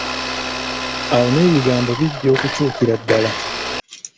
Awo n'ebigambo bijja okukyukira ddala.